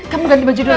kamu ganti baju dulu ya